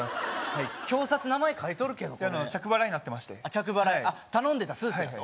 はい表札名前書いとるけど着払いになってましてあっ着払い頼んでたスーツです